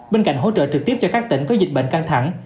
bên cạnh hỗ trợ trực tiếp cho các tỉnh có dịch bệnh căng thẳng